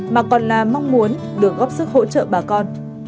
mà còn là mong muốn được góp sức hỗ trợ bà con